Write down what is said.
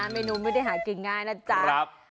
เมนูไม่ได้หากินง่ายนะจ๊ะ